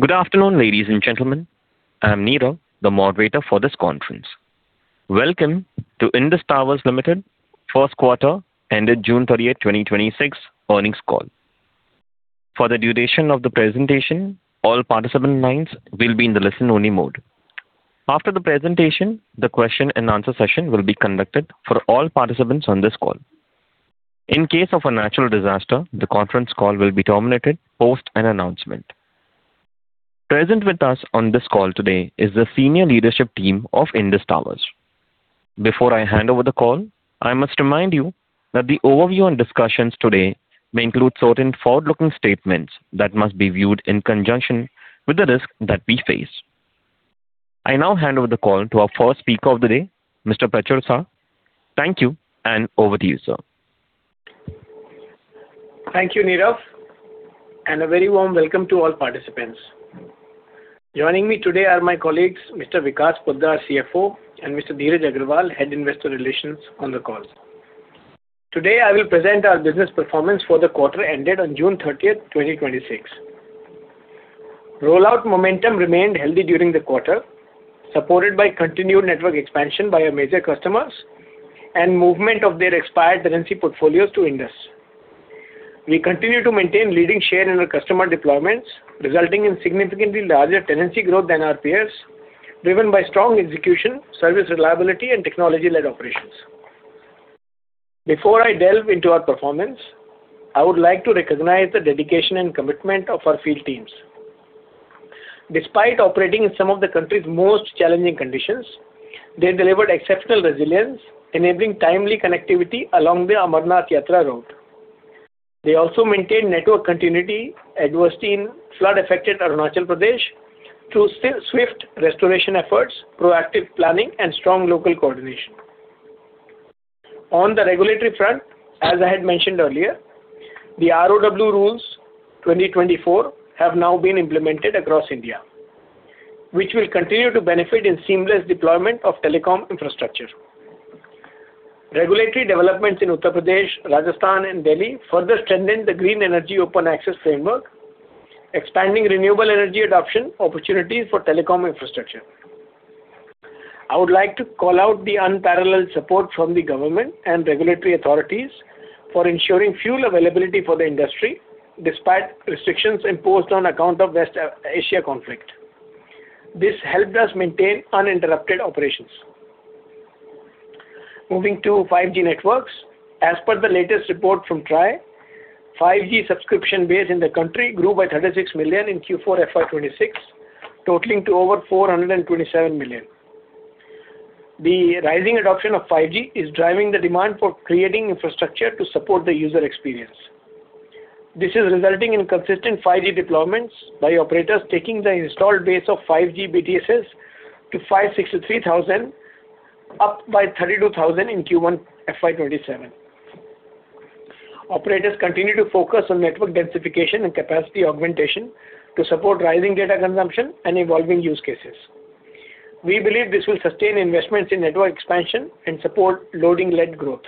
Good afternoon, ladies and gentlemen. I am Nirav, the moderator for this conference. Welcome to Indus Towers Limited first quarter ended June 30th, 2026 earnings call. For the duration of the presentation, all participant lines will be in the listen-only mode. After the presentation, the question and answer session will be conducted for all participants on this call. In case of a natural disaster, the conference call will be terminated post an announcement. Present with us on this call today is the senior leadership team of Indus Towers. Before I hand over the call, I must remind you that the overview and discussions today may include certain forward-looking statements that must be viewed in conjunction with the risk that we face. I now hand over the call to our first speaker of the day, Mr. Prachur Sah. Thank you, and over to you, sir. Thank you, Nirav, and a very warm welcome to all participants. Joining me today are my colleagues, Mr. Vikas Poddar, Chief Financial Officer, and Mr. Dheeraj Agrawal, head investor relations on the call. Today, I will present our business performance for the quarter ended on June 30th, 2026. Rollout momentum remained healthy during the quarter, supported by continued network expansion by our major customers and movement of their expired tenancy portfolios to Indus. We continue to maintain leading share in our customer deployments, resulting in significantly larger tenancy growth than our peers, driven by strong execution, service reliability, and technology-led operations. Before I delve into our performance, I would like to recognize the dedication and commitment of our field teams. Despite operating in some of the country's most challenging conditions, they delivered exceptional resilience, enabling timely connectivity along the Amarnath Yatra route. They also maintained network continuity adversely in flood-affected Arunachal Pradesh through swift restoration efforts, proactive planning, and strong local coordination. On the regulatory front, as I had mentioned earlier, the ROW Rules 2024 have now been implemented across India, which will continue to benefit in seamless deployment of telecom infrastructure. Regulatory developments in Uttar Pradesh, Rajasthan, and Delhi further strengthen the green energy open access framework, expanding renewable energy adoption opportunities for telecom infrastructure. I would like to call out the unparalleled support from the government and regulatory authorities for ensuring fuel availability for the industry, despite restrictions imposed on account of West Asia conflict. This helped us maintain uninterrupted operations. Moving to 5G networks. As per the latest report from TRAI, 5G subscription base in the country grew by 36 million in Q4 fiscal year 2026, totaling to over 427 million. The rising adoption of 5G is driving the demand for creating infrastructure to support the user experience. This is resulting in consistent 5G deployments by operators taking the installed base of 5G BTS to 563,000, up by 32,000 in Q1 fiscal year 2027. Operators continue to focus on network densification and capacity augmentation to support rising data consumption and evolving use cases. We believe this will sustain investments in network expansion and support loading-led growth.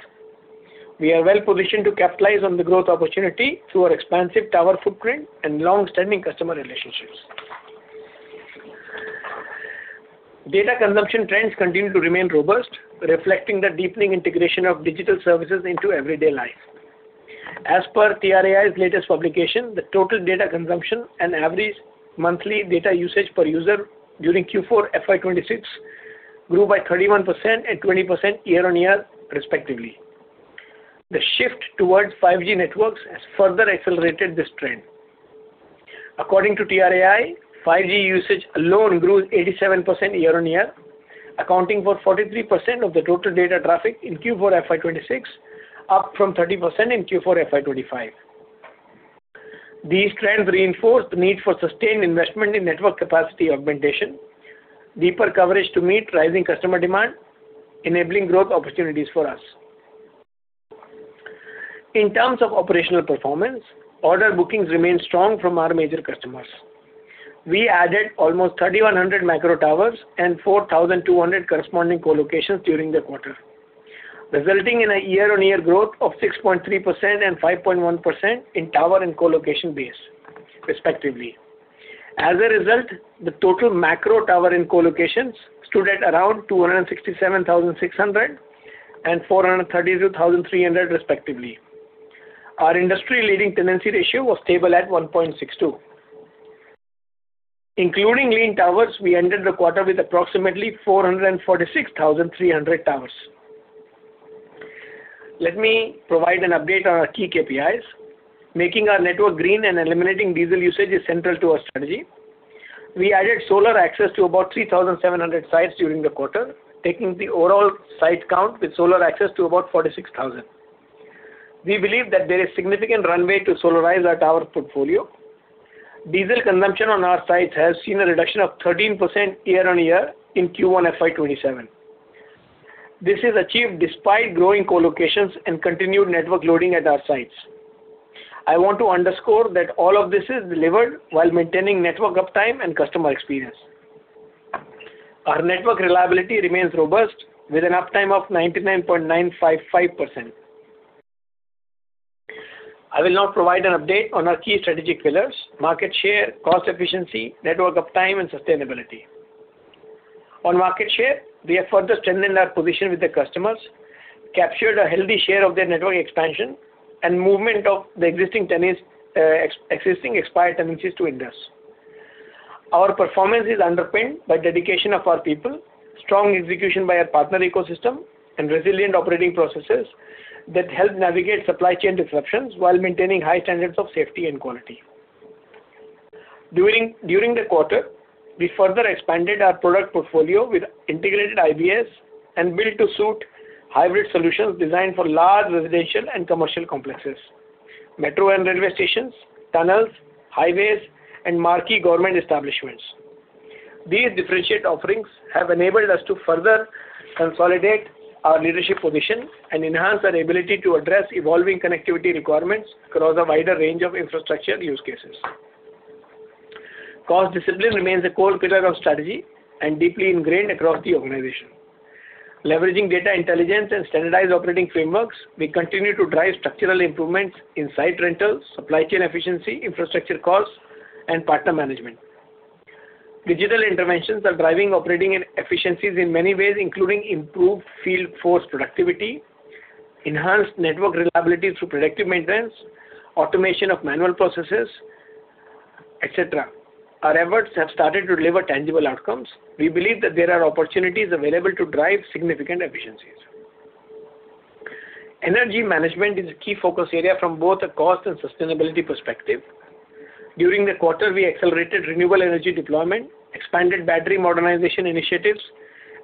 We are well-positioned to capitalize on the growth opportunity through our expansive tower footprint and long-standing customer relationships. Data consumption trends continue to remain robust, reflecting the deepening integration of digital services into everyday life. As per TRAI's latest publication, the total data consumption and average monthly data usage per user during Q4 fiscal year 2026 grew by 31% and 20% year-on-year respectively. The shift towards 5G networks has further accelerated this trend. According to TRAI, 5G usage alone grew 87% year-on-year, accounting for 43% of the total data traffic in Q4 fiscal year 2026, up from 30% in Q4 fiscal year 2025. These trends reinforce the need for sustained investment in network capacity augmentation, deeper coverage to meet rising customer demand, enabling growth opportunities for us. In terms of operational performance, order bookings remain strong from our major customers. We added almost 3,100 macro towers and 4,200 corresponding co-locations during the quarter, resulting in a year-on-year growth of 6.3% and 5.1% in tower and co-location base respectively. As a result, the total macro tower and co-locations stood at around 267,600 and 432,300 respectively. Our industry-leading tenancy ratio was stable at 1.62x. Including lean towers, we ended the quarter with approximately 446,300 towers. Let me provide an update on our key KPIs. Making our network green and eliminating diesel usage is central to our strategy. We added solar access to about 3,700 sites during the quarter, taking the overall site count with solar access to about 46,000. We believe that there is significant runway to solarize our tower portfolio. Diesel consumption on our sites has seen a reduction of 13% year-on-year in Q1 fiscal year 2027. This is achieved despite growing co-locations and continued network loading at our sites. I want to underscore that all of this is delivered while maintaining network uptime and customer experience. Our network reliability remains robust with an uptime of 99.955%. I will now provide an update on our key strategic pillars: market share, cost efficiency, network uptime, and sustainability. On market share, we have further strengthened our position with the customers, captured a healthy share of their network expansion, and movement of the existing expired tenancies to Indus. Our performance is underpinned by dedication of our people, strong execution by our partner ecosystem, and resilient operating processes that help navigate supply chain disruptions while maintaining high standards of safety and quality. During the quarter, we further expanded our product portfolio with integrated IBS and build-to-suit hybrid solutions designed for large residential and commercial complexes, metro and railway stations, tunnels, highways, and marquee government establishments. These differentiate offerings have enabled us to further consolidate our leadership position and enhance our ability to address evolving connectivity requirements across a wider range of infrastructure use cases. Cost discipline remains a core pillar of strategy and deeply ingrained across the organization. Leveraging data intelligence and standardized operating frameworks, we continue to drive structural improvements in site rentals, supply chain efficiency, infrastructure costs, and partner management. Digital interventions are driving operating efficiencies in many ways, including improved field force productivity, enhanced network reliability through predictive maintenance, automation of manual processes, et cetera. Our efforts have started to deliver tangible outcomes. We believe that there are opportunities available to drive significant efficiencies. Energy management is a key focus area from both a cost and sustainability perspective. During the quarter, we accelerated renewable energy deployment, expanded battery modernization initiatives,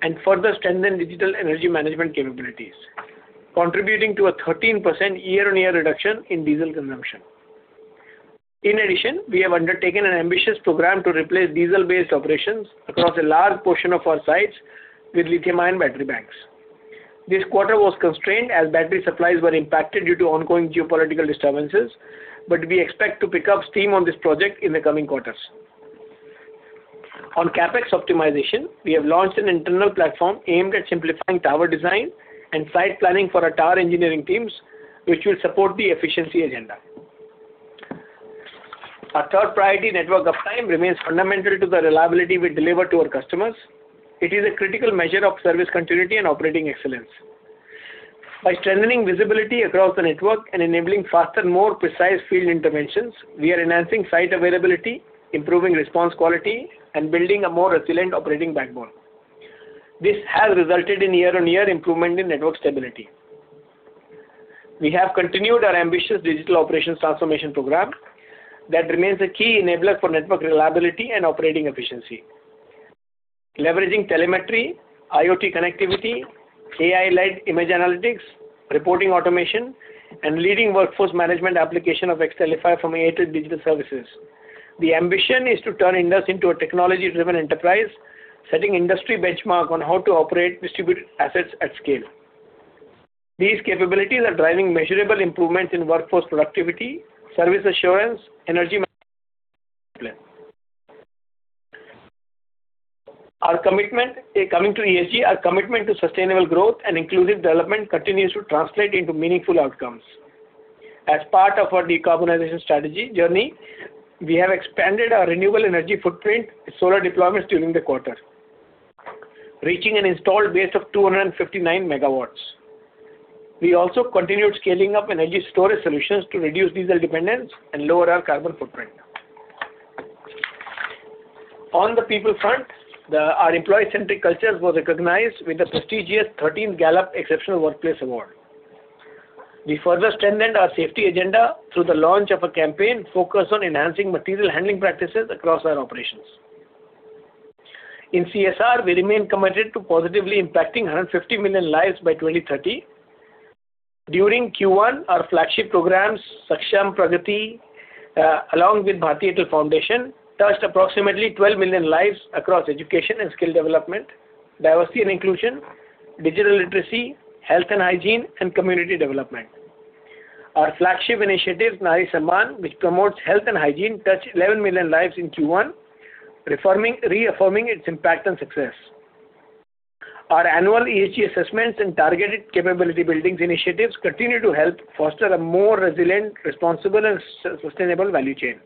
and further strengthened digital energy management capabilities, contributing to a 13% year-on-year reduction in diesel consumption. In addition, we have undertaken an ambitious program to replace diesel-based operations across a large portion of our sites with lithium-ion battery banks. This quarter was constrained as battery supplies were impacted due to ongoing geopolitical disturbances, but we expect to pick up steam on this project in the coming quarters. On CapEx optimization, we have launched an internal platform aimed at simplifying tower design and site planning for our tower engineering teams, which will support the efficiency agenda. Our top priority, network uptime, remains fundamental to the reliability we deliver to our customers. It is a critical measure of service continuity and operating excellence. By strengthening visibility across the network and enabling faster, more precise field interventions, we are enhancing site availability, improving response quality, and building a more resilient operating backbone. This has resulted in year-on-year improvement in network stability. We have continued our ambitious digital operations transformation program that remains a key enabler for network reliability and operating efficiency. Leveraging telemetry, IoT connectivity, AI-led image analytics, reporting automation, and leading workforce management application of Xtelify from Airtel Digital Services. The ambition is to turn Indus into a technology-driven enterprise, setting industry benchmark on how to operate distributed assets at scale. These capabilities are driving measurable improvements in workforce productivity, service assurance, energy. Coming to ESG, our commitment to sustainable growth and inclusive development continues to translate into meaningful outcomes. As part of our decarbonization strategy journey, we have expanded our renewable energy footprint solar deployments during the quarter, reaching an installed base of 259 MW. We also continued scaling up energy storage solutions to reduce diesel dependence and lower our carbon footprint. On the people front, our employee-centric culture was recognized with the prestigious 13 Gallup Exceptional Workplace Award. We further strengthened our safety agenda through the launch of a campaign focused on enhancing material handling practices across our operations. In CSR, we remain committed to positively impacting 150 million lives by 2030. During Q1, our flagship programs, Saksham Pragati, along with Bharti Airtel Foundation, touched approximately 12 million lives across education and skill development, diversity and inclusion, digital literacy, health and hygiene, and community development. Our flagship initiative, Nari Samman, which promotes health and hygiene, touched 11 million lives in Q1, reaffirming its impact and success. Our annual ESG assessments and targeted capability building initiatives continue to help foster a more resilient, responsible, and sustainable value chain.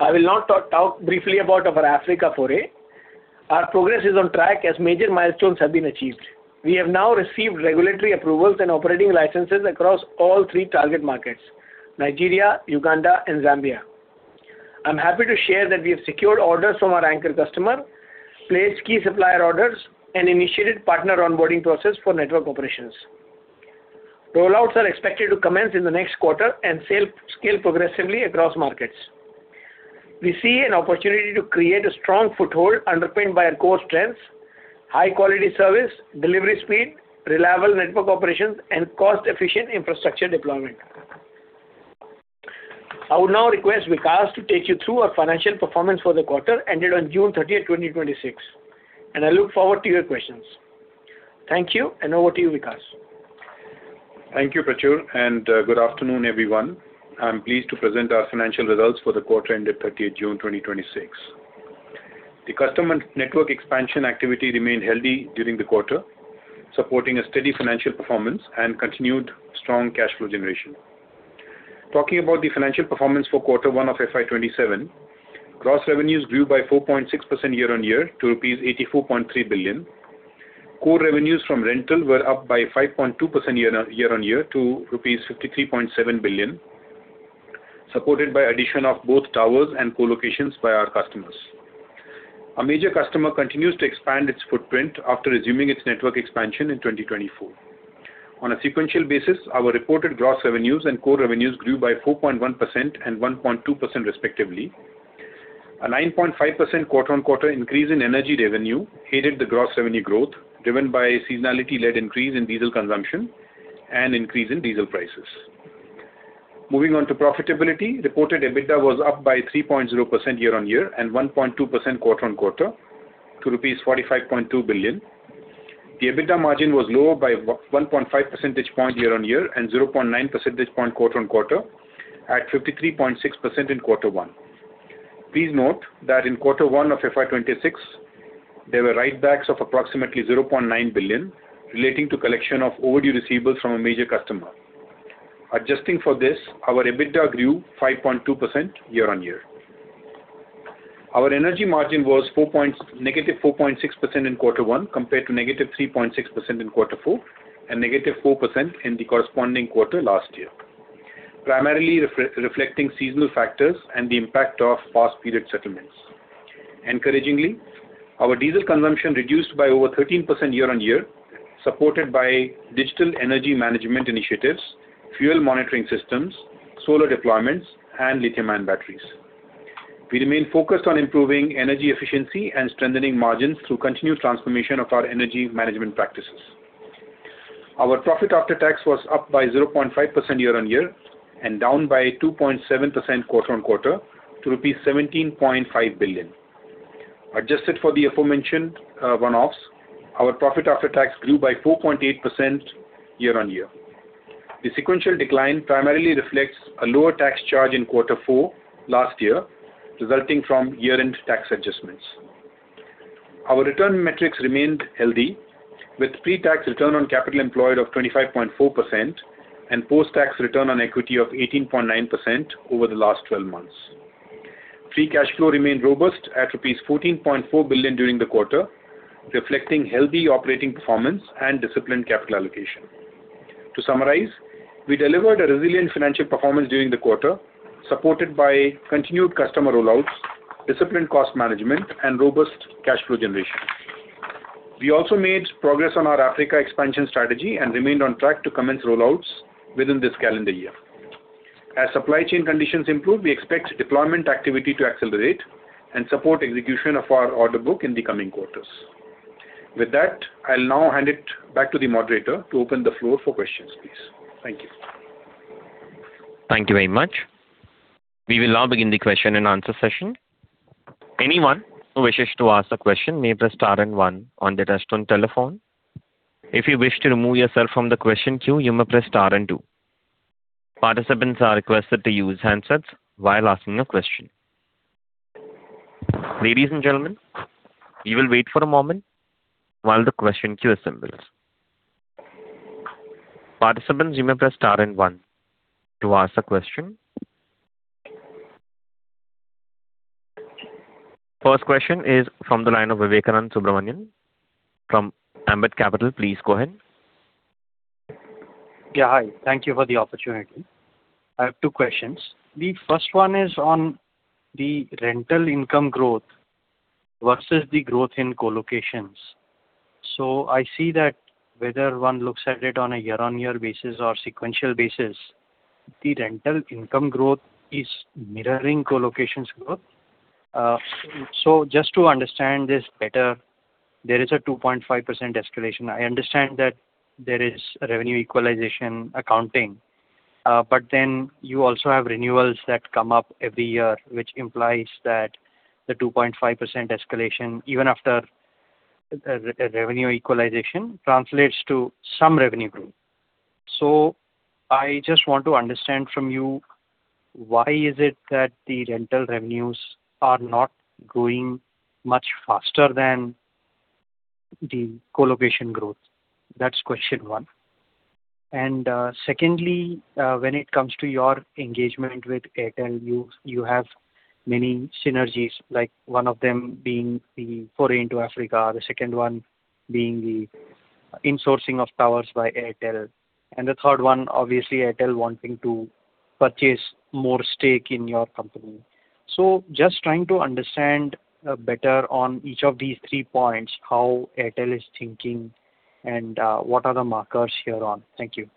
I will now talk briefly about our Africa foray. Our progress is on track as major milestones have been achieved. We have now received regulatory approvals and operating licenses across all three target markets, Nigeria, Uganda, and Zambia. I'm happy to share that we have secured orders from our anchor customer, placed key supplier orders, and initiated partner onboarding process for network operations. Rollouts are expected to commence in the next quarter and scale progressively across markets. We see an opportunity to create a strong foothold underpinned by our core strengths, high-quality service, delivery speed, reliable network operations, and cost-efficient infrastructure deployment. I would now request Vikas to take you through our financial performance for the quarter ended on June 30th, 2026, and I look forward to your questions. Thank you, and over to you, Vikas. Thank you, Prachur, and good afternoon, everyone. I'm pleased to present our financial results for the quarter ended June 30th, 2026. The customer network expansion activity remained healthy during the quarter, supporting a steady financial performance and continued strong cash flow generation. Talking about the financial performance for quarter one of fiscal year 2027, gross revenues grew by 4.6% year-on-year to rupees 84.3 billion. Core revenues from rental were up by 5.2% year-on-year to rupees 53.7 billion, supported by addition of both towers and co-locations by our customers. A major customer continues to expand its footprint after resuming its network expansion in 2024. On a sequential basis, our reported gross revenues and core revenues grew by 4.1% and 1.2% respectively. A 9.5% quarter-on-quarter increase in energy revenue aided the gross revenue growth, driven by seasonality-led increase in diesel consumption and increase in diesel prices. Moving on to profitability, reported EBITDA was up by 3.0% year-on-year and 1.2% quarter-on-quarter to rupees 45.2 billion. The EBITDA margin was lower by 1.5 percentage point year-on-year and 0.9 percentage point quarter-on-quarter, at 53.6% in quarter one. Please note that in quarter one of fiscal year 2026, there were write-backs of approximately 0.9 billion relating to collection of overdue receivables from a major customer. Adjusting for this, our EBITDA grew 5.2% year-on-year. Our energy margin was -4.6% in quarter one, compared to -3.6% in quarter four and -4% in the corresponding quarter last year, primarily reflecting seasonal factors and the impact of past period settlements. Encouragingly, our diesel consumption reduced by over 13% year-on-year, supported by digital energy management initiatives, fuel monitoring systems, solar deployments, and lithium-ion batteries. We remain focused on improving energy efficiency and strengthening margins through continued transformation of our energy management practices. Our profit after tax was up by 0.5% year-on-year and down by 2.7% quarter-on-quarter to rupees 17.5 billion. Adjusted for the aforementioned one-offs, our profit after tax grew by 4.8% year-on-year. The sequential decline primarily reflects a lower tax charge in quarter four last year, resulting from year-end tax adjustments. Our return metrics remained healthy, with pre-tax return on capital employed of 25.4% and post-tax return on equity of 18.9% over the last 12 months. Free cash flow remained robust at rupees 14.4 billion during the quarter, reflecting healthy operating performance and disciplined capital allocation. To summarize, we delivered a resilient financial performance during the quarter, supported by continued customer rollouts, disciplined cost management, and robust cash flow generation. We also made progress on our Africa expansion strategy and remained on track to commence rollouts within this calendar year. As supply chain conditions improve, we expect deployment activity to accelerate and support execution of our order book in the coming quarters. With that, I'll now hand it back to the moderator to open the floor for questions, please. Thank you. Thank you very much. We will now begin the question-and-answer session. Anyone who wishes to ask a question may press star and one on their touchtone telephone. If you wish to remove yourself from the question queue, you may press star and two. Participants are requested to use handsets while asking a question. Ladies and gentlemen, we will wait for a moment while the question queue assembles. Participants, you may press star and one to ask a question. First question is from the line of Vivekananda Subramanian from Ambit Capital. Please go ahead. Yeah. Hi. Thank you for the opportunity. I have two questions. The first one is on the rental income growth versus the growth in co-locations. I see that whether one looks at it on a year-on-year basis or sequential basis, the rental income growth is mirroring co-locations growth. Just to understand this better, there is a 2.5% escalation. I understand that there is revenue equalization accounting. You also have renewals that come up every year, which implies that the 2.5% escalation, even after revenue equalization, translates to some revenue growth. I just want to understand from you, why is it that the rental revenues are not growing much faster than the co-location growth? That's question one. Secondly, when it comes to your engagement with Airtel you have many synergies, one of them being the foray into Africa, the second one being the insourcing of towers by Airtel, and the third one, obviously, Airtel wanting to purchase more stake in your company. Just trying to understand better on each of these three points, how Airtel is thinking and what are the markers here on. Thank you.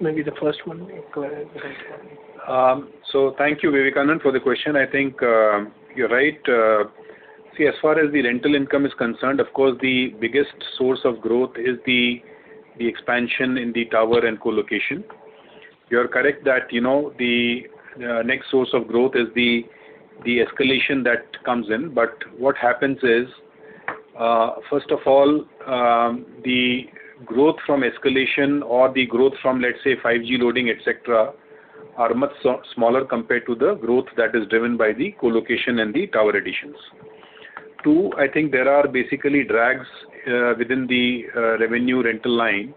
Maybe the first one. Go ahead with the first one. Thank you, Vivekananda, for the question. I think you're right. See, as far as the rental income is concerned, of course, the biggest source of growth is the expansion in the tower and co-location. You are correct that the next source of growth is the escalation that comes in. What happens is First of all, the growth from escalation or the growth from, let's say, 5G loading, et cetera, are much smaller compared to the growth that is driven by the co-location and the tower additions. Two, I think there are basically drags within the revenue rental line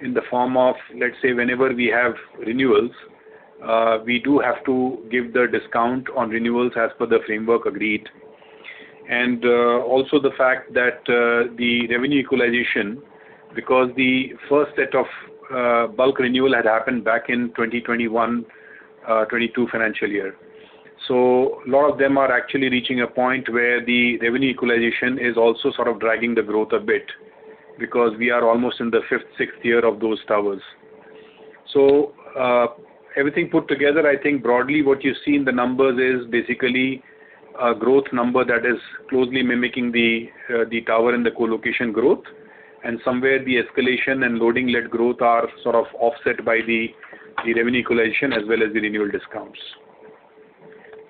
in the form of, let's say, whenever we have renewals, we do have to give the discount on renewals as per the framework agreed. The fact that the revenue equalization, because the first set of bulk renewal had happened back in fiscal year 2021, fiscal year 2022 financial year. A lot of them are actually reaching a point where the revenue equalization is also sort of dragging the growth a bit, because we are almost in the fifth, sixth year of those towers. Everything put together, I think broadly what you see in the numbers is basically a growth number that is closely mimicking the tower and the co-location growth. Somewhere the escalation and loading-led growth are sort of offset by the revenue equalization as well as the renewal discounts.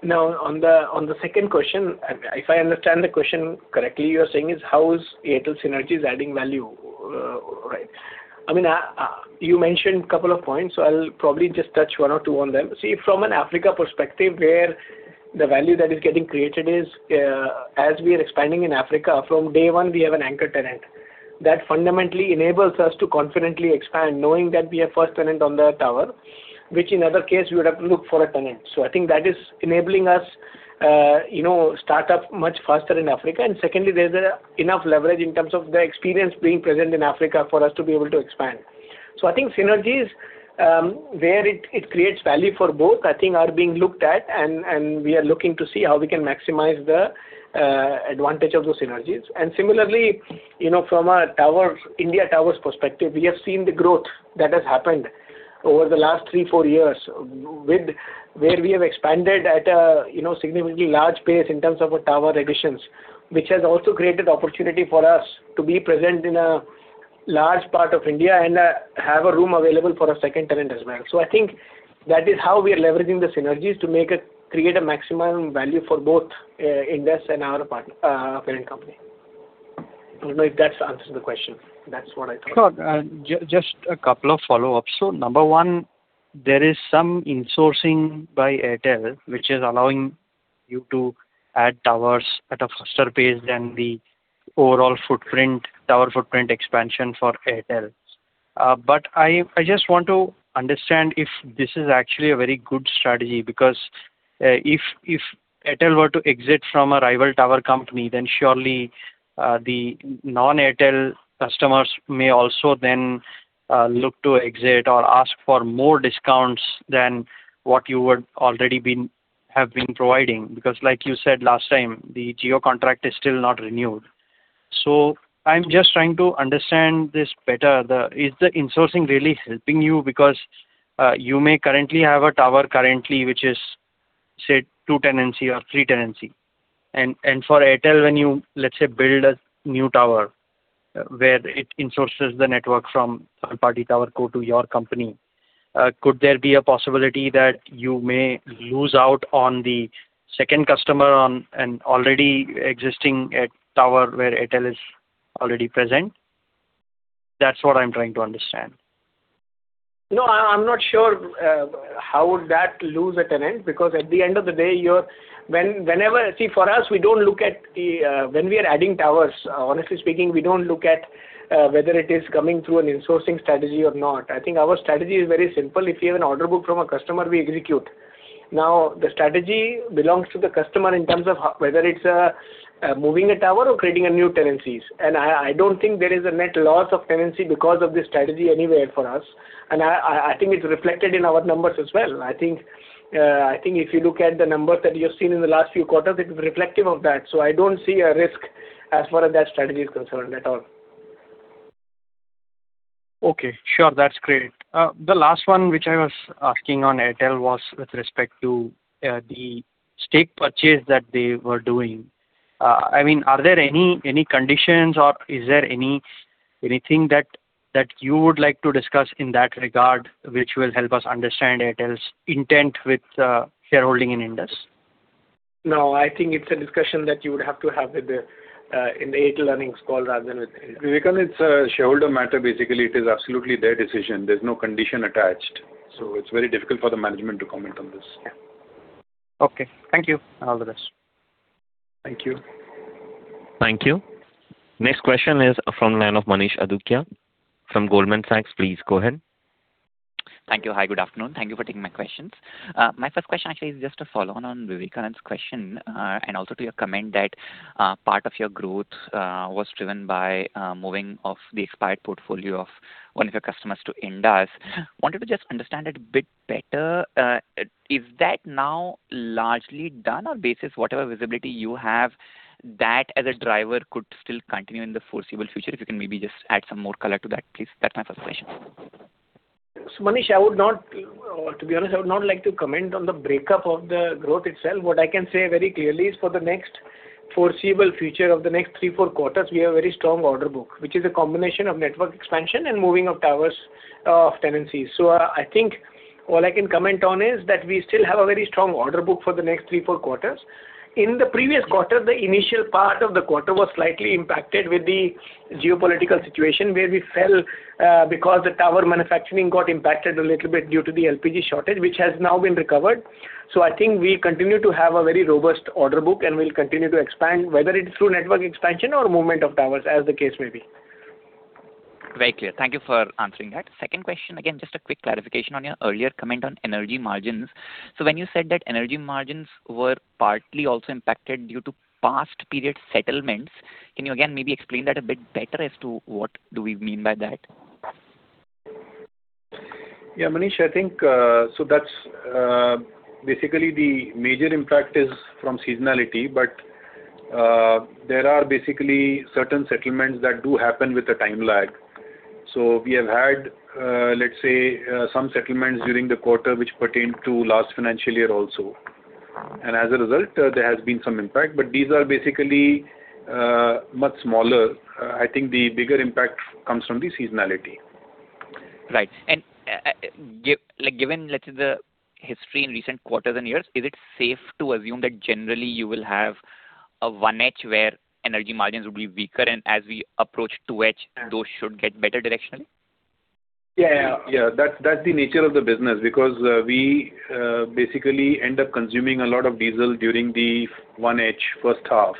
On the second question, if I understand the question correctly, you're saying is how is Airtel synergies adding value, right? You mentioned a couple of points, I'll probably just touch one or two on them. From an Africa perspective, where the value that is getting created is, as we are expanding in Africa, from day one, we have an anchor tenant. That fundamentally enables us to confidently expand, knowing that we are first tenant on the tower, which in other case, we would have to look for a tenant. I think that is enabling us start up much faster in Africa. Secondly, there's enough leverage in terms of the experience being present in Africa for us to be able to expand. I think synergies, where it creates value for both, I think are being looked at, and we are looking to see how we can maximize the advantage of those synergies. Similarly, from our Indus Towers perspective, we have seen the growth that has happened over the last three, four years, where we have expanded at a significantly large pace in terms of our tower additions. Which has also created opportunity for us to be present in a large part of India, and have a room available for a second tenant as well. I think that is how we are leveraging the synergies to create a maximum value for both Indus and our parent company. I don't know if that answers the question. That's what I thought. Sure. Just a couple of follow-ups. Number one, there is some insourcing by Airtel, which is allowing you to add towers at a faster pace than the overall tower footprint expansion for Airtel. I just want to understand if this is actually a very good strategy, because if Airtel were to exit from a rival tower company, then surely the non-Airtel customers may also then look to exit or ask for more discounts than what you have been providing. Because like you said last time, the Jio contract is still not renewed. I'm just trying to understand this better. Is the insourcing really helping you? Because you may currently have a tower currently which is, say, two tenancy or three tenancy. For Airtel, when you, let's say, build a new tower where it insources the network from third-party tower co to your company, could there be a possibility that you may lose out on the second customer on an already existing tower where Airtel is already present? That's what I'm trying to understand. No, I'm not sure how would that lose a tenant, because at the end of the day, see, for us, when we are adding towers, honestly speaking, we don't look at whether it is coming through an insourcing strategy or not. I think our strategy is very simple. If we have an order book from a customer, we execute. The strategy belongs to the customer in terms of whether it's moving a tower or creating new tenancies. I don't think there is a net loss of tenancy because of this strategy anywhere for us. I think it's reflected in our numbers as well. I think if you look at the numbers that you've seen in the last few quarters, it is reflective of that. I don't see a risk as far as that strategy is concerned at all. Okay. Sure. That's great. The last one, which I was asking on Airtel, was with respect to the stake purchase that they were doing. Are there any conditions or is there anything that you would like to discuss in that regard, which will help us understand Airtel's intent with shareholding in Indus? No, I think it's a discussion that you would have to have in the Airtel earnings call rather than with Indus. Vivekananda, it's a shareholder matter, basically. It is absolutely their decision. There's no condition attached. It's very difficult for the management to comment on this. Okay. Thank you. All the best. Thank you. Thank you. Next question is from line of Manish Adukia from Goldman Sachs. Please go ahead. Thank you. Hi, good afternoon. Thank you for taking my questions. My first question actually is just a follow on Vivekananda's question, and also to your comment that part of your growth was driven by moving of the expired portfolio of one of your customers to Indus. Wanted to just understand it a bit better. Is that now largely done or basis whatever visibility you have, that as a driver could still continue in the foreseeable future? If you can maybe just add some more color to that, please. That's my first question. Manish, to be honest, I would not like to comment on the breakup of the growth itself. What I can say very clearly is for the next foreseeable future of the next three, four quarters, we have a very strong order book, which is a combination of network expansion and moving of towers of tenancies. I think all I can comment on is that we still have a very strong order book for the next three, four quarters. In the previous quarter, the initial part of the quarter was slightly impacted with the geopolitical situation, where we fell because the tower manufacturing got impacted a little bit due to the LPG shortage, which has now been recovered. I think we continue to have a very robust order book, and we'll continue to expand, whether it's through network expansion or movement of towers, as the case may be. Very clear. Thank you for answering that. Second question, again, just a quick clarification on your earlier comment on energy margins. When you said that energy margins were partly also impacted due to past period settlements, can you, again, maybe explain that a bit better as to what do we mean by that? Manish, I think, that's basically the major impact is from seasonality, but there are basically certain settlements that do happen with a time lag. We have had, let's say, some settlements during the quarter, which pertained to last financial year also. As a result, there has been some impact. But these are basically much smaller. I think the bigger impact comes from the seasonality. Given, let's say, the history in recent quarters and years, is it safe to assume that generally you will have a 1H where energy margins will be weaker and as we approach 2H, those should get better directionally? Yeah. That's the nature of the business because we basically end up consuming a lot of diesel during the 1H, first half,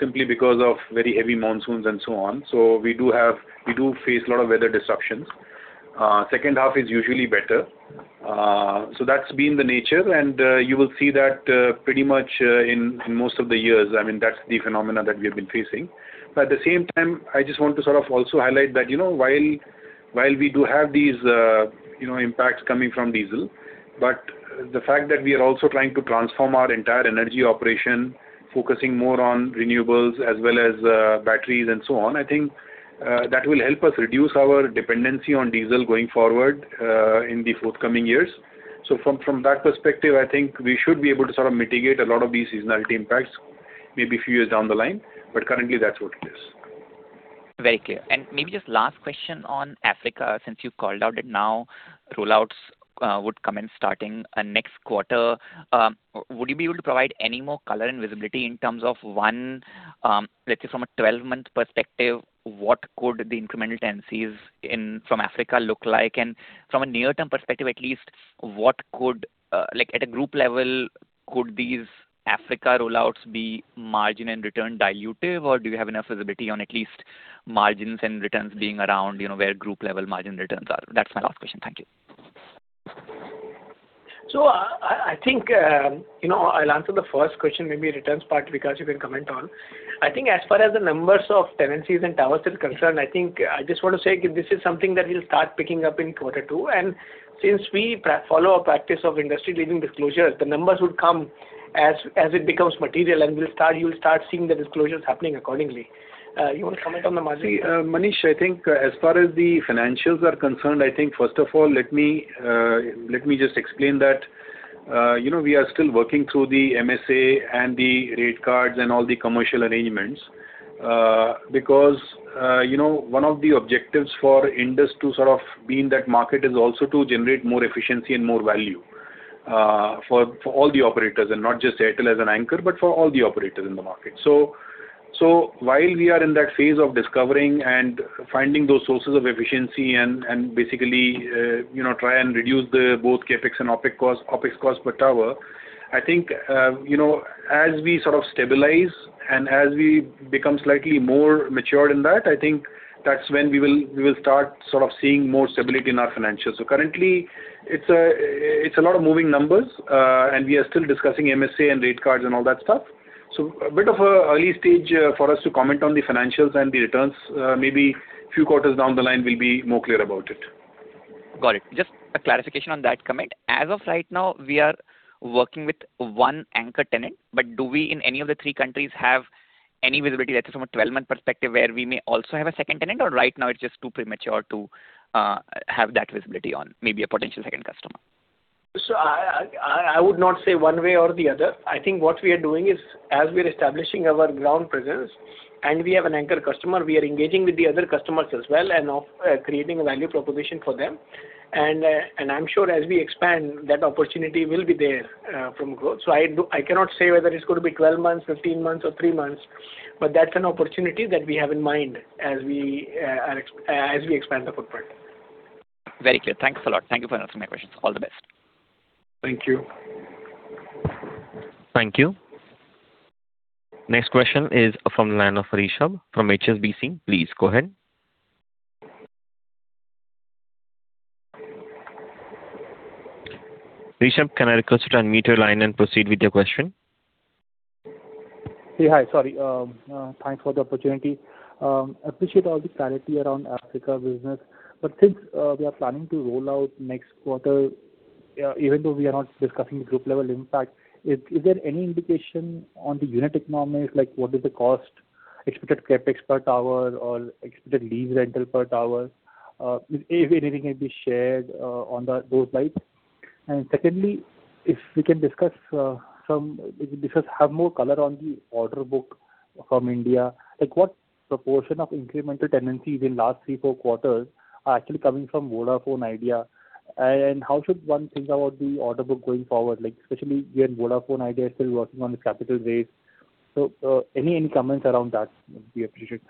simply because of very heavy monsoons and so on. We do face a lot of weather disruptions. Second half is usually better. That's been the nature, and you will see that pretty much in most of the years. That's the phenomena that we have been facing. At the same time, I just want to sort of also highlight that, while we do have these impacts coming from diesel, but the fact that we are also trying to transform our entire energy operation, focusing more on renewables as well as batteries and so on, I think that will help us reduce our dependency on diesel going forward, in the forthcoming years. From that perspective, I think we should be able to sort of mitigate a lot of these seasonality impacts, maybe a few years down the line, but currently that's what it is. Very clear. Maybe just last question on Africa, since you've called out it now, roll-outs would come in starting next quarter. Would you be able to provide any more color and visibility in terms of, one, let's say from a 12-month perspective, what could the incremental tenancies from Africa look like? From a near-term perspective at least, at a group level, could these Africa roll-outs be margin and return dilutive, or do you have enough visibility on at least margins and returns being around where group level margin returns are? That's my last question. Thank you. I think, I'll answer the first question. Maybe returns part, Vikas, you can comment on. I think as far as the numbers of tenancies and towers is concerned, I think I just want to say this is something that we'll start picking up in quarter two. Since we follow a practice of industry-leading disclosures, the numbers would come as it becomes material, and you'll start seeing the disclosures happening accordingly. You want to comment on the margin? See, Manish, I think as far as the financials are concerned, I think first of all, let me just explain that we are still working through the MSA and the rate cards and all the commercial arrangements. One of the objectives for Indus to sort of be in that market is also to generate more efficiency and more value, for all the operators, and not just Airtel as an anchor, but for all the operators in the market. While we are in that phase of discovering and finding those sources of efficiency and basically try and reduce the both CapEx and OpEx cost per tower, I think, as we sort of stabilize and as we become slightly more matured in that, I think that's when we will start sort of seeing more stability in our financials. Currently it's a lot of moving numbers, we are still discussing MSA and rate cards and all that stuff. A bit of a early stage for us to comment on the financials and the returns. Maybe few quarters down the line we'll be more clear about it. Got it. Just a clarification on that comment. As of right now, we are working with one anchor tenant, do we, in any of the three countries, have any visibility, let's say from a 12-month perspective, where we may also have a second tenant? Right now it's just too premature to have that visibility on maybe a potential second customer? I would not say one way or the other. I think what we are doing is, as we are establishing our ground presence and we have an anchor customer, we are engaging with the other customers as well and creating a value proposition for them. I'm sure as we expand, that opportunity will be there from growth. I cannot say whether it's going to be 12 months, 15 months, or three months, but that's an opportunity that we have in mind as we expand the footprint. Very clear. Thanks a lot. Thank you for answering my questions. All the best. Thank you. Thank you. Next question is from the line of Rishabh Dhancholia from HSBC. Please go ahead. Rishabh, can I request you to unmute your line and proceed with your question? Yeah. Hi. Sorry. Thanks for the opportunity. Appreciate all the clarity around Africa business. Since we are planning to roll out next quarter, even though we are not discussing the group level impact, is there any indication on the unit economics? Like what is the cost, expected CapEx per tower or expected lease rental per tower? If anything can be shared on those lines. Secondly, if you could have more color on the order book from India. What proportion of incremental tendencies in last three, four quarters are actually coming from Vodafone Idea, and how should one think about the order book going forward, especially given Vodafone Idea is still working on its capital raise. Any comments around that would be appreciated.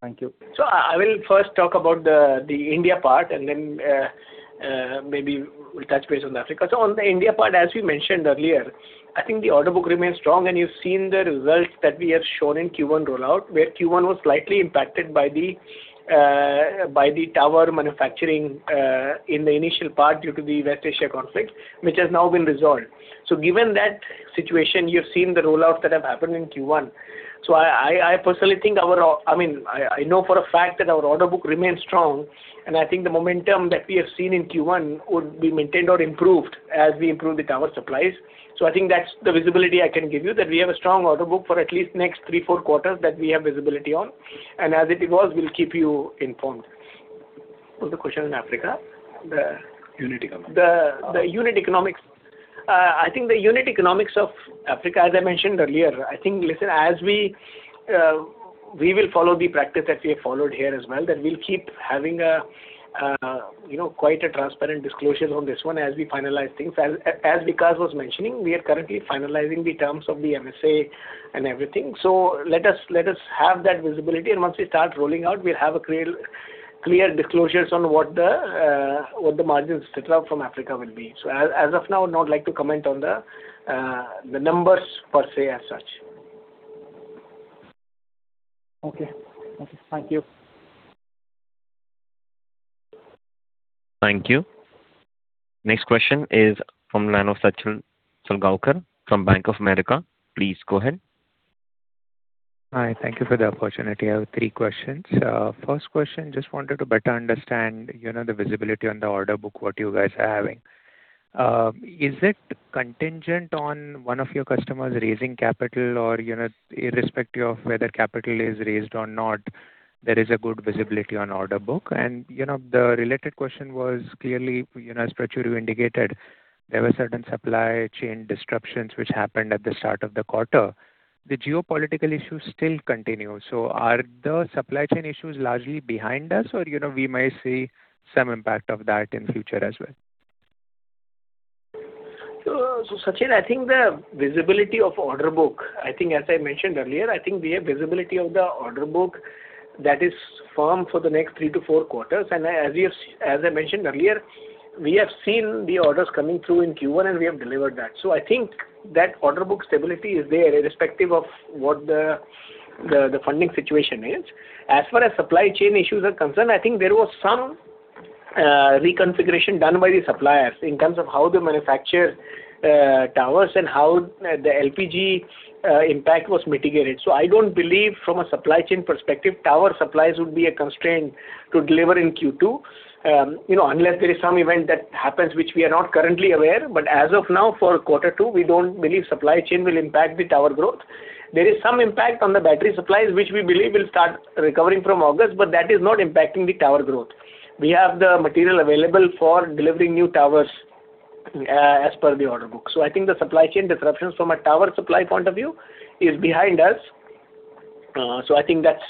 Thank you. I will first talk about the India part, and then maybe we'll touch base on Africa. On the India part, as we mentioned earlier, I think the order book remains strong, and you've seen the results that we have shown in Q1 rollout, where Q1 was slightly impacted by the tower manufacturing in the initial part due to the West Asia conflict, which has now been resolved. Given that situation, you've seen the rollouts that have happened in Q1. I know for a fact that our order book remains strong, and I think the momentum that we have seen in Q1 would be maintained or improved as we improve the tower supplies. I think that's the visibility I can give you, that we have a strong order book for at least the next three, four quarters that we have visibility on. As it evolves, we'll keep you informed. What was the question on Africa? The unit economics. The unit economics. I think the unit economics of Africa, as I mentioned earlier, we will follow the practice that we have followed here as well, that we'll keep having quite a transparent disclosure on this one as we finalize things. As Vikas was mentioning, we are currently finalizing the terms of the MSA and everything. Let us have that visibility, and once we start rolling out, we'll have clear disclosures on what the margins et cetera from Africa will be. As of now, not like to comment on the numbers per se as such. Okay. Thank you. Thank you. Next question is from the line of Sachin Salgaonkar from Bank of America. Please go ahead. Hi, thank you for the opportunity. I have three questions. First question, just wanted to better understand the visibility on the order book, what you guys are having. Is it contingent on one of your customers raising capital or irrespective of whether capital is raised or not, there is a good visibility on order book? The related question was clearly, as Prachur you indicated, there were certain supply chain disruptions which happened at the start of the quarter. The geopolitical issues still continue. Are the supply chain issues largely behind us or we might see some impact of that in future as well? Sachin, the visibility of order book, as I mentioned earlier, we have visibility of the order book that is firm for the next three to four quarters. As I mentioned earlier, we have seen the orders coming through in Q1, and we have delivered that. I think that order book stability is there irrespective of what the funding situation is. As far as supply chain issues are concerned, I think there was some reconfiguration done by the suppliers in terms of how they manufacture towers and how the LPG impact was mitigated. I don't believe from a supply chain perspective, tower supplies would be a constraint to deliver in Q2. Unless there is some event that happens, which we are not currently aware. As of now, for quarter two, we don't believe supply chain will impact the tower growth. There is some impact on the battery supplies, which we believe will start recovering from August, but that is not impacting the tower growth. We have the material available for delivering new towers, as per the order book. I think the supply chain disruptions from a tower supply point of view is behind us. I think that's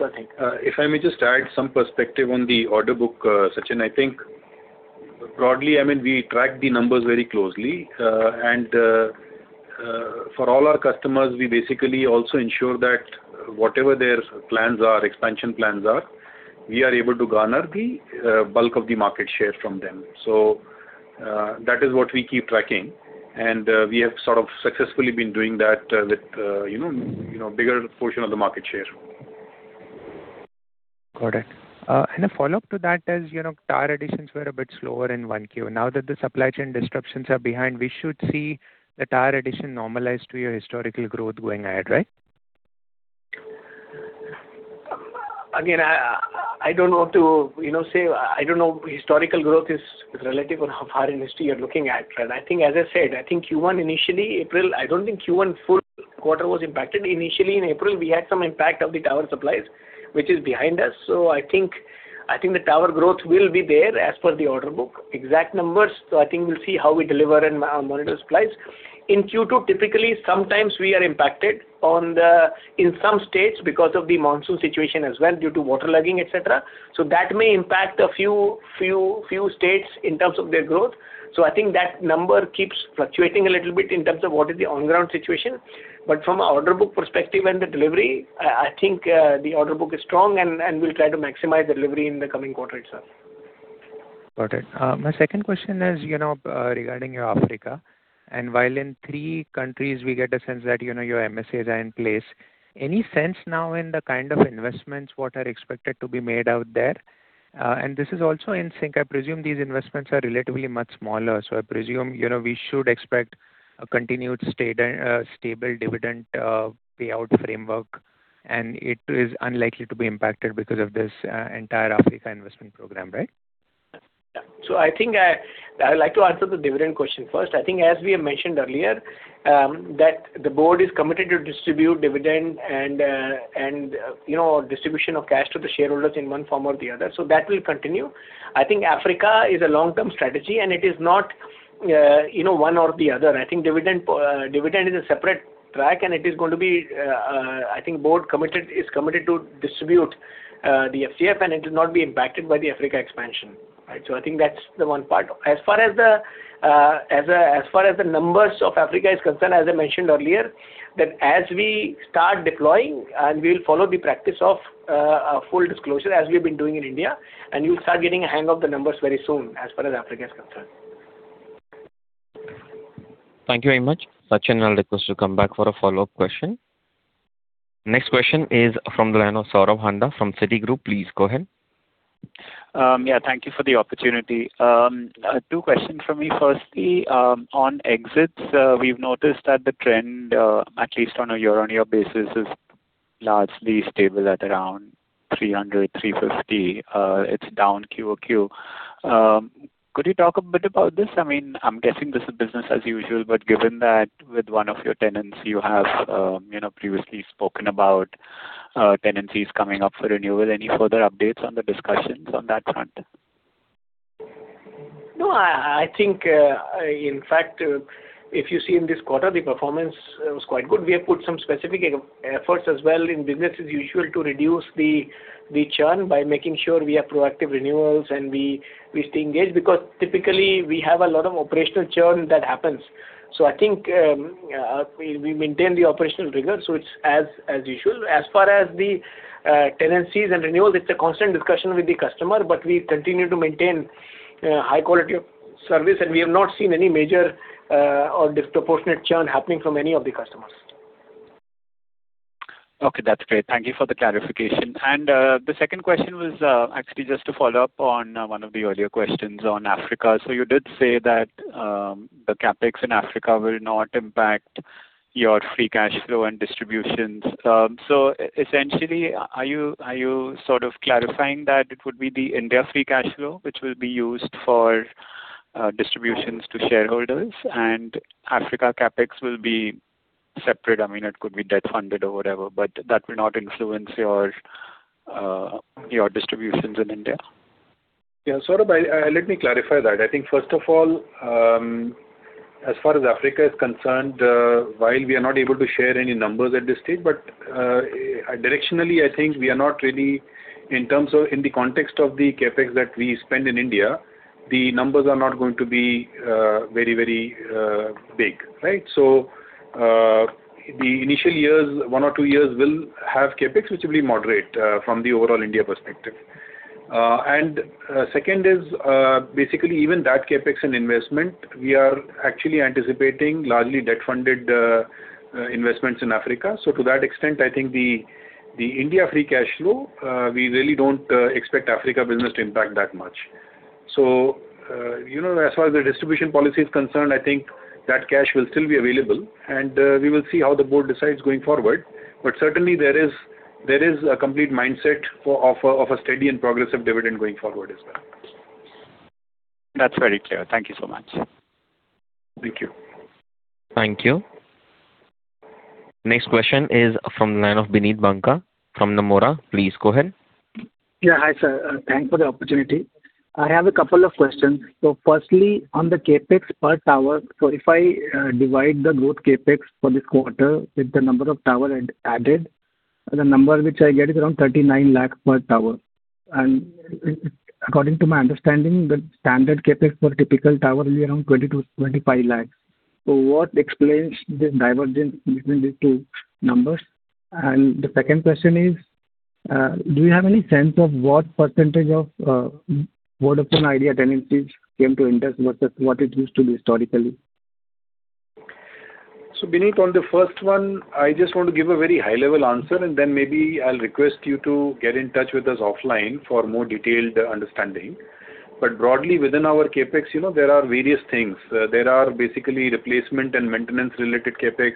one thing. If I may just add some perspective on the order book, Sachin. I think broadly, we track the numbers very closely. For all our customers, we basically also ensure that whatever their expansion plans are, we are able to garner the bulk of the market share from them. That is what we keep tracking. We have sort of successfully been doing that with bigger portion of the market share. Got it. A follow-up to that, as tower additions were a bit slower in 1Q. Now that the supply chain disruptions are behind, we should see the tower addition normalize to your historical growth going ahead, right? Historical growth is relative on how far in history you're looking at. I think, as I said, I think Q1 initially, April, I don't think Q1 full quarter was impacted. Initially, in April, we had some impact of the tower supplies, which is behind us. I think the tower growth will be there as per the order book. Exact numbers. I think we'll see how we deliver and monitor supplies. In Q2, typically, sometimes we are impacted in some states because of the monsoon situation as well, due to waterlogging, et cetera. I think that may impact a few states in terms of their growth. I think that number keeps fluctuating a little bit in terms of what is the on-ground situation. From an order book perspective and the delivery, I think the order book is strong, and we'll try to maximize the delivery in the coming quarter itself. Got it. My second question is regarding Africa. While in three countries we get a sense that your MSAs are in place. Any sense now in the kind of investments what are expected to be made out there? This is also in sync, I presume these investments are relatively much smaller, so I presume we should expect a continued stable dividend payout framework, and it is unlikely to be impacted because of this entire Africa investment program, right? I think I would like to answer the dividend question first. I think as we have mentioned earlier, that the board is committed to distribute dividend and distribution of cash to the shareholders in one form or the other. That will continue. I think Africa is a long-term strategy, and it is not one or the other. I think dividend is a separate track, and it is going to be. I think board is committed to distribute the FCF, and it will not be impacted by the Africa expansion. I think that's the one part. As far as the numbers of Africa is concerned, as I mentioned earlier, that as we start deploying, and we'll follow the practice of full disclosure as we've been doing in India, and you'll start getting a hang of the numbers very soon as far as Africa is concerned. Thank you very much. Sachin, I'll request you to come back for a follow-up question. Next question is from the line of Saurabh Handa from Citi. Please go ahead. Yeah, thank you for the opportunity. Two questions from me. Firstly, on exits, we've noticed that the trend, at least on a year-on-year basis, is largely stable at around 300-350 range. It's down quarter-on-quarter. Could you talk a bit about this? I'm guessing this is business as usual, but given that with one of your tenants you have previously spoken about tenancies coming up for renewal, any further updates on the discussions on that front? No. In fact, if you see in this quarter, the performance was quite good. We have put some specific efforts as well in business as usual to reduce the churn by making sure we have proactive renewals and we stay engaged, because typically we have a lot of operational churn that happens. I think, we maintain the operational rigor, so it's as usual. As far as the tenancies and renewals, it's a constant discussion with the customer, but we continue to maintain high quality of service, we have not seen any major or disproportionate churn happening from any of the customers. Okay. That's great. Thank you for the clarification. The second question was actually just to follow up on one of the earlier questions on Africa. You did say that the CapEx in Africa will not impact your free cash flow and distributions. Essentially, are you sort of clarifying that it would be the India free cash flow, which will be used for distributions to shareholders, and Africa CapEx will be separate? It could be debt-funded or whatever, but that will not influence your distributions in India. Saurabh, let me clarify year that. I think first of all, as far as Africa is concerned, while we are not able to share any numbers at this stage, but directionally, I think we are not really, in the context of the CapEx that we spend in India, the numbers are not going to be very, very big. The initial years, one or two years, will have CapEx, which will be moderate from the overall India perspective. Second is, basically even that CapEx and investment, we are actually anticipating largely debt-funded investments in Africa. To that extent, I think the India free cash flow, we really don't expect Africa business to impact that much. As far as the distribution policy is concerned, I think that cash will still be available, and we will see how the board decides going forward. Certainly there is a complete mindset of a steady and progressive dividend going forward as well. That's very clear. Thank you so much. Thank you. Thank you. Next question is from the line of Bineet Banka from Nomura. Please go ahead. Yeah. Hi sir. Thanks for the opportunity. I have a couple of questions. Firstly, on the CapEx per tower, if I divide the growth CapEx for this quarter with the number of tower added, the number which I get is around 39 lakh per tower. According to my understanding, the standard CapEx for a typical tower will be around 20 lakh-25 lakh. What explains this divergence between these two numbers? The second question is, do you have any sense of what percentage of Vodafone Idea tenancies came to Indus versus what it used to be historically? Bineet, on the first one, I just want to give a very high-level answer, then maybe I'll request you to get in touch with us offline for more detailed understanding. Broadly, within our CapEx, there are various things. There are basically replacement and maintenance-related CapEx.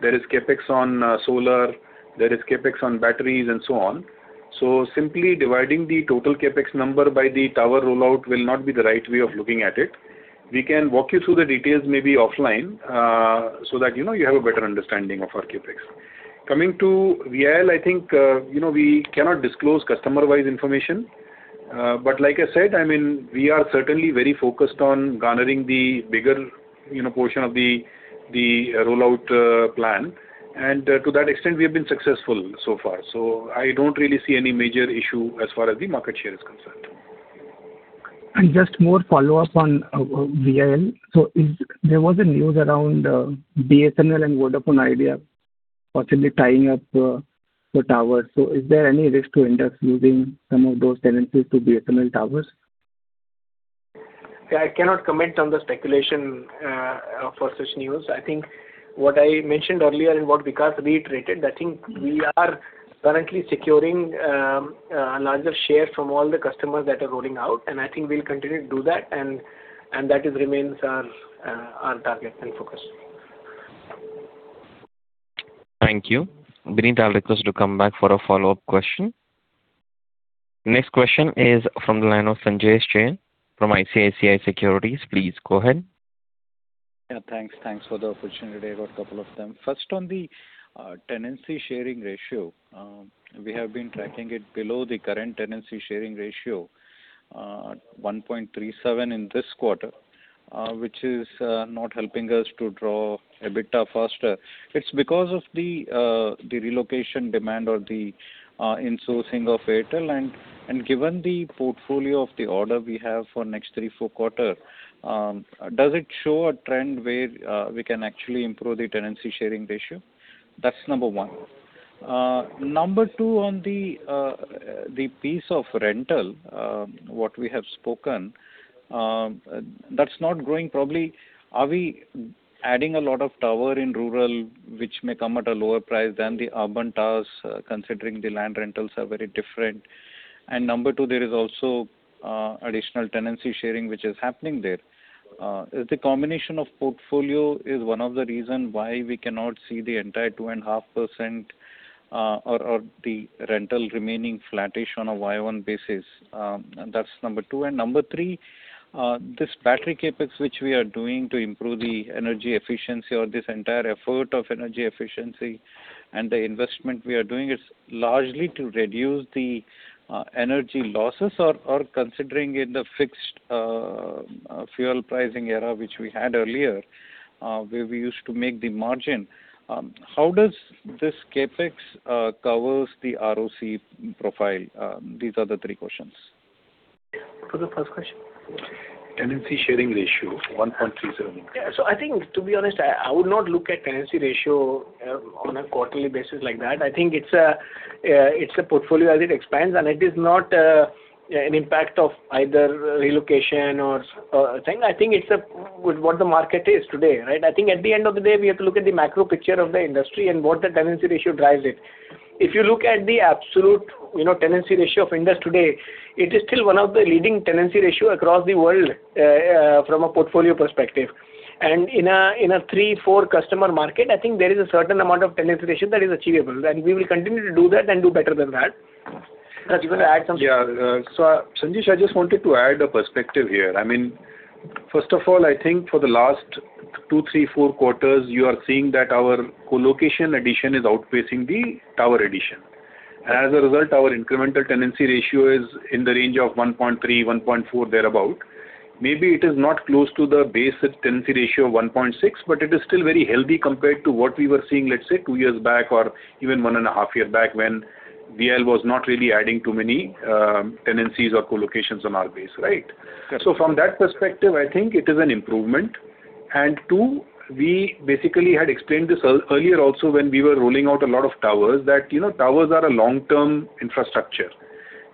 There is CapEx on solar, there is CapEx on batteries and so on. Simply dividing the total CapEx number by the tower rollout will not be the right way of looking at it. We can walk you through the details, maybe offline, so that you have a better understanding of our CapEx. Coming to VIL, I think, we cannot disclose customer-wise information. Like I said, we are certainly very focused on garnering the bigger portion of the rollout plan, and to that extent, we have been successful so far. I don't really see any major issue as far as the market share is concerned. Just more follow-up on VIL. There was news around BSNL and Vodafone Idea possibly tying up the towers. Is there any risk to Indus losing some of those tenancies to BSNL towers? I cannot comment on the speculation for such news. What I mentioned earlier and what Vikas reiterated, we are currently securing a larger share from all the customers that are rolling out, we'll continue to do that, and that remains our target and focus. Thank you. Bineet, I'll request you to come back for a follow-up question. Next question is from the line of Sanjesh Jain from ICICI Securities. Please go ahead. Thanks. Thanks for the opportunity. I've got a couple of them. First on the tenancy sharing ratio, we have been tracking it below the current tenancy sharing ratio, 1.37x in this quarter, which is not helping us to draw a bit faster. It's because of the relocation demand or the insourcing of Airtel. Given the portfolio of the order we have for next three, four quarters, does it show a trend where we can actually improve the tenancy sharing ratio? That's number one. Number two, on the piece of rental, what we have spoken, that's not growing probably. Are we adding a lot of tower in rural, which may come at a lower price than the urban towers, considering the land rentals are very different? Number two, there is also additional tenancy sharing, which is happening there. The combination of portfolio is one of the reason why we cannot see the entire 2.5% or the rental remaining flattish on a year-on-year basis. That's number two. Number three, this battery CapEx, which we are doing to improve the energy efficiency or this entire effort of energy efficiency, and the investment we are doing is largely to reduce the energy losses. Considering in the fixed fuel pricing era, which we had earlier, where we used to make the margin, how does this CapEx covers the ROC profile? These are the three questions. What was the first question? Tenancy sharing ratio, 1.37x. Yeah. I think, to be honest, I would not look at tenancy ratio on a quarterly basis like that. I think it's a portfolio as it expands, and it is not an impact of either relocation or a thing. I think it's what the market is today, right? I think at the end of the day, we have to look at the macro picture of the industry and what the tenancy ratio drives it. If you look at the absolute tenancy ratio of Indus today, it is still one of the leading tenancy ratio across the world, from a portfolio perspective. In a three, four customer market, I think there is a certain amount of tenancy ratio that is achievable, and we will continue to do that and do better than that. Vikas, you want to add something? Yeah. Sanjesh, I just wanted to add a perspective here. First of all, I think for the last two, three, four quarters, you are seeing that our co-location addition is outpacing the tower addition. As a result, our incremental tenancy ratio is in the range of 1.3x, 1.4x, thereabout. Maybe it is not close to the basic tenancy ratio of 1.6x, but it is still very healthy compared to what we were seeing, let's say, two years back or even 1.5 years back, when VIL was not really adding too many tenancies or co-locations on our base, right? From that perspective, I think it is an improvement. Two, we basically had explained this earlier also when we were rolling out a lot of towers, that towers are a long-term infrastructure.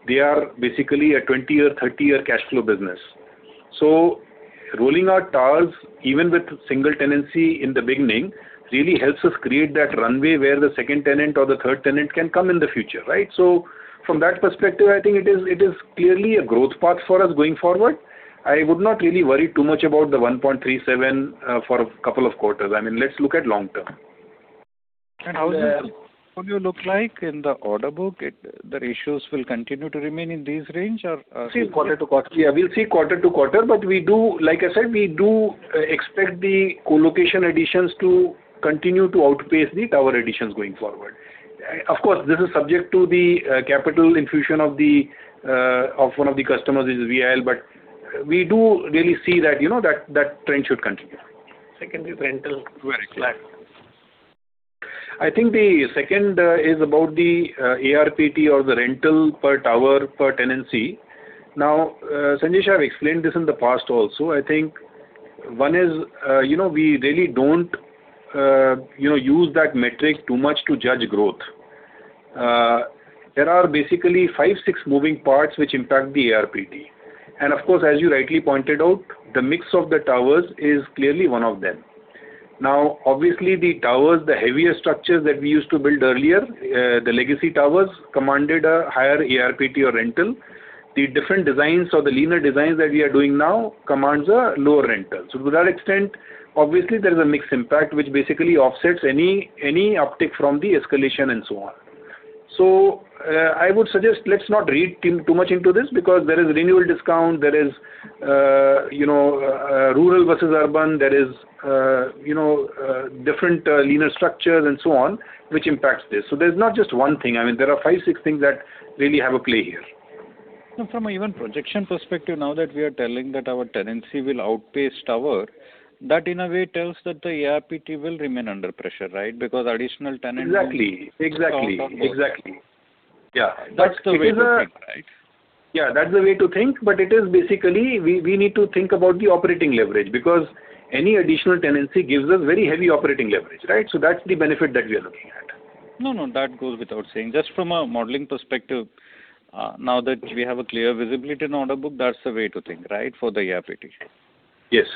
They are basically a 20-year, 30-year cash flow business. Rolling out towers, even with single tenancy in the beginning, really helps us create that runway where the second tenant or the third tenant can come in the future, right? From that perspective, I think it is clearly a growth path for us going forward. I would not really worry too much about the 1.37x for a couple of quarters. Let's look at long term. How does the portfolio look like in the order book? The ratios will continue to remain in this range or see quarter-to-quarter. Yeah, we'll see quarter-to-quarter, but like I said, we do expect the co-location additions to continue to outpace the tower additions going forward. Of course, this is subject to the capital infusion of one of the customers, is VIL, but we do really see that trend should continue. Second is rental flat. I think the second is about the ARPT or the rental per tower per tenancy. Now, Sanjesh, I've explained this in the past also. I think one is we really don't use that metric too much to judge growth. There are basically five, six moving parts which impact the ARPT. Of course, as you rightly pointed out, the mix of the towers is clearly one of them. Obviously the towers, the heavier structures that we used to build earlier, the legacy towers, commanded a higher ARPT or rental. The different designs or the leaner designs that we are doing now commands a lower rental. To that extent, obviously there is a mixed impact, which basically offsets any uptick from the escalation and so on. I would suggest let's not read too much into this because there is renewal discount, there is rural versus urban, there is different leaner structures and so on, which impacts this. There's not just one thing. There are five, six things that really have a play here. From an even projection perspective, now that we are telling that our tenancy will outpace tower, that in a way tells that the ARPT will remain under pressure, right? Because additional tenant- Exactly. Won't come. Exactly. Yeah. That's the way to think, right? Yeah, that's the way to think. It is basically, we need to think about the operating leverage, because any additional tenancy gives us very heavy operating leverage, right? That's the benefit that we are looking at. No, that goes without saying. Just from a modeling perspective, now that we have a clear visibility in order book, that's the way to think, right? For the ARPT. Yes.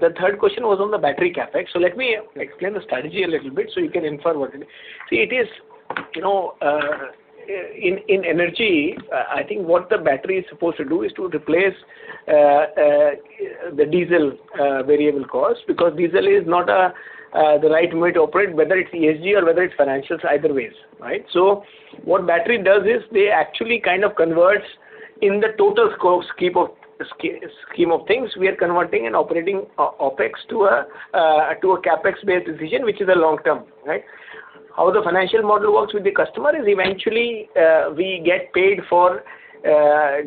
The third question was on the battery CapEx. Let me explain the strategy a little bit so you can infer what it is. In energy, I think what the battery is supposed to do is to replace the diesel variable cost, because diesel is not the right way to operate, whether it's ESG or whether it's financials, either ways, right? What battery does is they actually kind of converts in the total scheme of things, we are converting an operating OpEx to a CapEx-based decision, which is long-term. Right? How the financial model works with the customer is eventually, we get paid for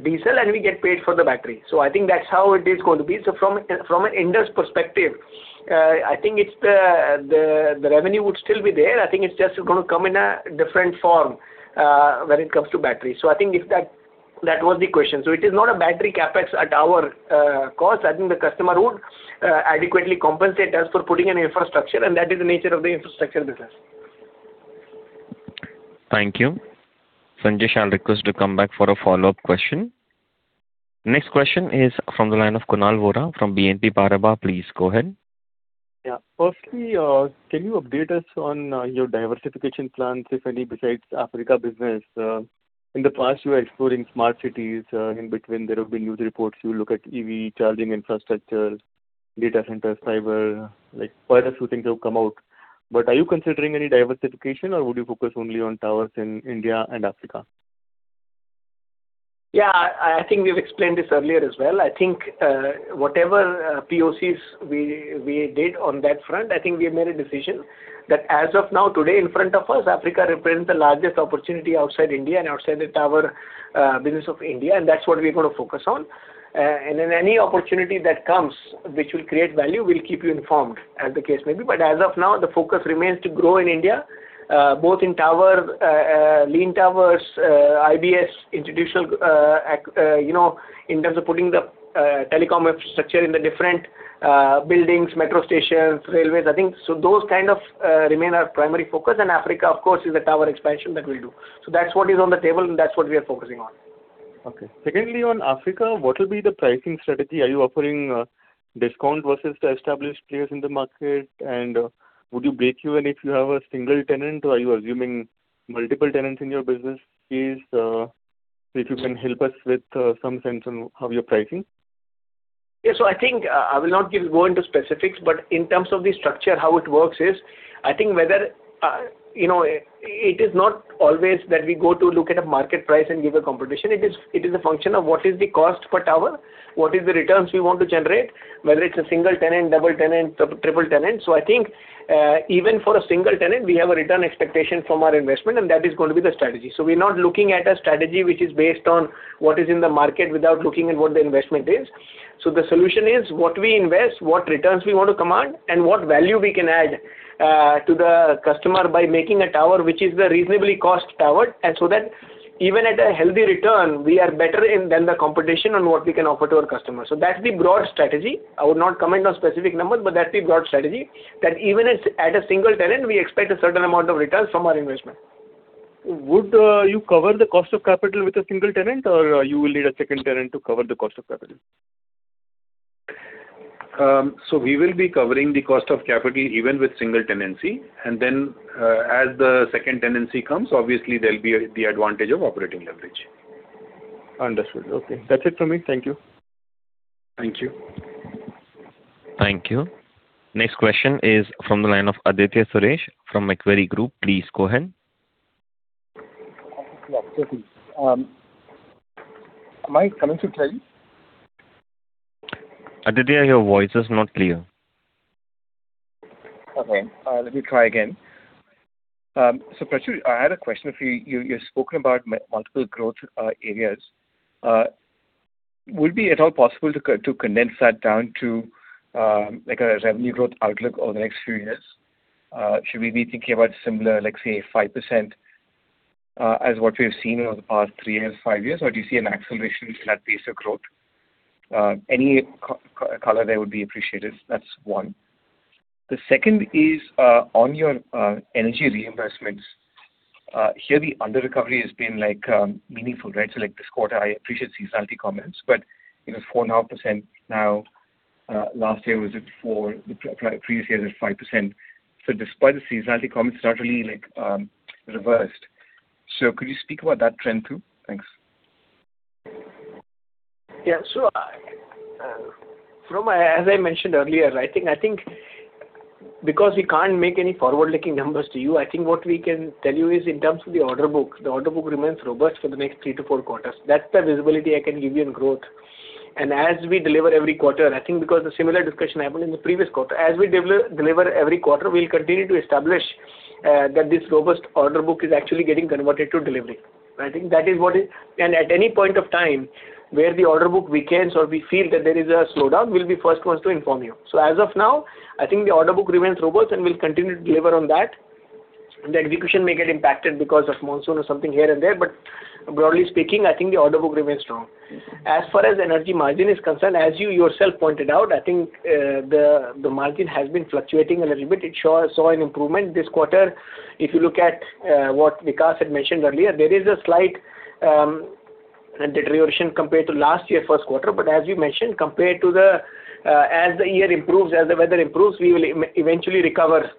diesel, and we get paid for the battery. I think that's how it is going to be. From an Indus perspective, I think the revenue would still be there. I think it's just going to come in a different form when it comes to battery. I think that was the question. It is not a battery CapEx at our cost. I think the customer would adequately compensate us for putting an infrastructure, and that is the nature of the infrastructure business. Thank you. Sanjesh, shall I request to come back for a follow-up question? Next question is from the line of Kunal Vora from BNP Paribas. Please go ahead. Yeah. Firstly, can you update us on your diversification plans, if any, besides Africa business? In the past, you were exploring smart cities. In between, there have been news reports you looked at EV charging infrastructure, data centers, fiber, like quite a few things have come out. Are you considering any diversification, or would you focus only on towers in India and Africa? Yeah. I think we've explained this earlier as well. I think whatever POCs we did on that front, I think we have made a decision that as of now, today, in front of us, Africa represents the largest opportunity outside India and outside the tower business of India, and that's what we are going to focus on. Then any opportunity that comes, which will create value, we'll keep you informed as the case may be. As of now, the focus remains to grow in India, both in lean towers, IBS, in terms of putting the telecom infrastructure in the different buildings, metro stations, railways, I think. Those kind remain our primary focus. Africa, of course, is the tower expansion that we'll do. That's what is on the table, and that's what we are focusing on. Okay. Secondly, on Africa, what will be the pricing strategy? Are you offering a discount versus the established players in the market? Would you break even if you have a single tenant, or are you assuming multiple tenants in your business? Please, if you can help us with some sense on how you're pricing. I think I will not go into specifics, but in terms of the structure, how it works is, I think it is not always that we go to look at a market price and give a competition. It is a function of what is the cost per tower, what is the returns we want to generate, whether it's a single tenant, double tenant, triple tenant. I think, even for a single tenant, we have a return expectation from our investment, and that is going to be the strategy. We're not looking at a strategy which is based on what is in the market without looking at what the investment is. The solution is what we invest, what returns we want to command, and what value we can add to the customer by making a tower, which is the reasonably cost tower, and that even at a healthy return, we are better than the competition on what we can offer to our customers. That's the broad strategy. I would not comment on specific numbers, but that's the broad strategy, that even at a single tenant, we expect a certain amount of return from our investment. Would you cover the cost of capital with a single tenant, or you will need a second tenant to cover the cost of capital? We will be covering the cost of capital even with single tenancy. Then, as the second tenancy comes, obviously, there'll be the advantage of operating leverage. Understood. Okay. That's it from me. Thank you. Thank you. Thank you. Next question is from the line of Aditya Suresh from Macquarie Group. Please go ahead. Am I coming through clearly? Aditya, your voice is not clear. Okay. Let me try again. Prachur, I had a question for you. You've spoken about multiple growth areas. Would it be at all possible to condense that down to a revenue growth outlook over the next few years? Should we be thinking about similar, let's say, 5% as what we have seen over the past three years, five years? Or do you see an acceleration in that pace of growth? Any color there would be appreciated. That's one. The second is, on your energy reimbursements. Here, the under-recovery has been meaningful, right? Like this quarter, I appreciate seasonality comments, but 4.5% now. Last year, was it 4%? The previous year it was 5%. Despite the seasonality comments, it's not really reversed. Could you speak about that trend too? Thanks. Yeah. As I mentioned earlier, I think because we can't make any forward-looking numbers to you, I think what we can tell you is in terms of the order book. The order book remains robust for the next three to four quarters. That's the visibility I can give you on growth. As we deliver every quarter, I think because the similar discussion happened in the previous quarter. As we deliver every quarter, we'll continue to establish that this robust order book is actually getting converted to delivery. At any point of time where the order book weakens or we feel that there is a slowdown, we'll be first ones to inform you. As of now, I think the order book remains robust, and we'll continue to deliver on that. The execution may get impacted because of monsoon or something here and there, broadly speaking, I think the order book remains strong. As far as energy margin is concerned, as you yourself pointed out, I think the margin has been fluctuating a little bit. It saw an improvement this quarter. If you look at what Vikas had mentioned earlier, there is a slight deterioration compared to last year first quarter, as you mentioned, as the year improves, as the weather improves, we will eventually recover